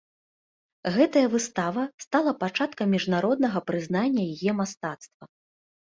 Гэтая выстава стала пачаткам міжнароднага прызнання яе мастацтва.